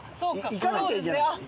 いかなきゃいけない。